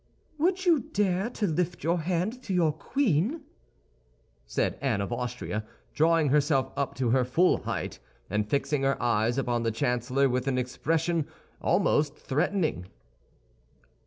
"Would you dare to lift your hand to your queen?" said Anne of Austria, drawing herself up to her full height, and fixing her eyes upon the chancellor with an expression almost threatening.